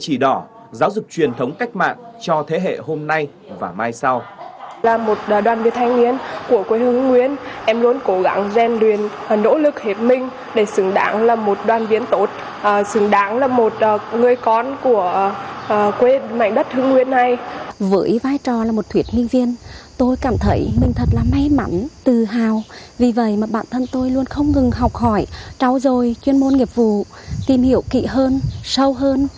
để chỉ đỏ giáo dục truyền thống cách mạng cho thế hệ hôm nay và mai sau